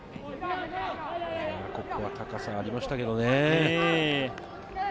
ここは高さがありましたけどね。